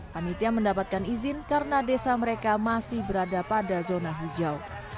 panitia mendapatkan izin karena desa mereka masih berada pada zona hijau